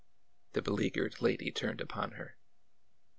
The beleaguered lady turned upon her.